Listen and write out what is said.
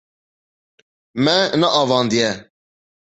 Me neavandiye.